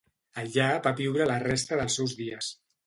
Allà va viure la resta dels seus dies.